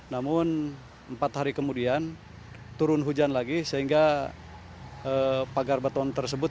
namun empat hari kemudian turun hujan lagi sehingga pagar beton tersebut